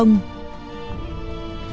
đình đền công